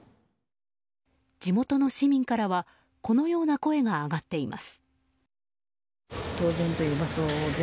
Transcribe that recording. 地元の市民からはこのような声が上がっています。